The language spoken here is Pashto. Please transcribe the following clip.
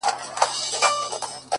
• د اله زار خبري ډېري ښې دي؛